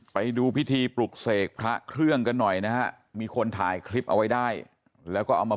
ไปดูพิธีปลุกเสกพระเครื่องกันหน่อยนะฮะมีคนถ่ายคลิปเอาไว้ได้แล้วก็เอามา